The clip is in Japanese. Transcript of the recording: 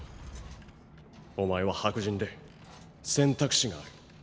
お前は白人で選択肢がある。